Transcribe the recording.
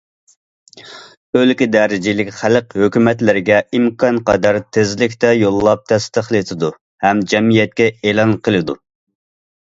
ئۆلكە دەرىجىلىك خەلق ھۆكۈمەتلىرىگە ئىمكانقەدەر تېزلىكتە يوللاپ تەستىقلىتىدۇ ھەم جەمئىيەتكە ئېلان قىلىدۇ.